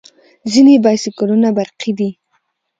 ځینې بایسکلونه برقي دي.